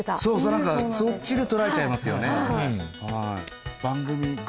なんかそっちで捉えちゃいますよね。